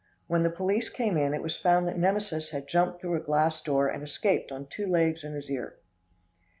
When the police came in, it was found that Nemesis had jumped through a glass door and escaped on two legs and his ear.